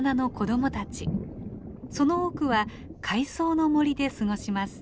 その多くは海藻の森で過ごします。